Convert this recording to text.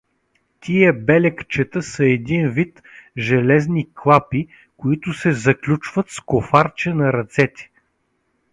Тия белегчета са един вид железни клапи, които се заключват с кофарче на ръцете.